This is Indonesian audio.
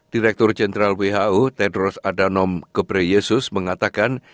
direktur jenderal who tedros adhanom ghebreyesus mengatakan